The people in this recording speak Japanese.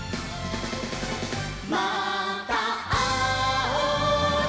「またあおうね」